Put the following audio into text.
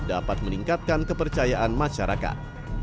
dapat meningkatkan kepercayaan masyarakat